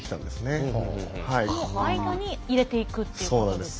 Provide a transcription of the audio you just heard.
その間に入れていくということですね。